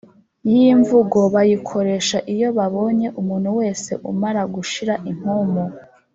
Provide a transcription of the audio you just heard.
yi mvugo bayikoresha iyo babonye umuntu wese umara gushira impumu